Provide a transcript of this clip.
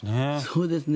そうですね。